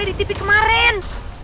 di tv kemarin